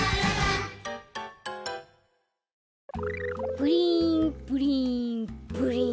プリンプリンプリン。